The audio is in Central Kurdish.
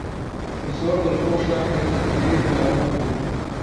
زۆر دڵخۆشە کە تیپەکەی براوە بوو.